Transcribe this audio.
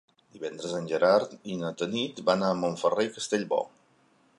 Divendres en Gerard i na Tanit van a Montferrer i Castellbò.